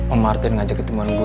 om martin ngajak ketemuan gue